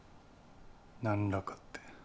何らかって？